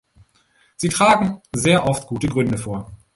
Sie tragen sehr oft gute Gründe vor.